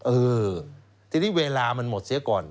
เออทีนี้เวลามันหมดเสียก่อน